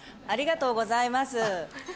ありがとうございます。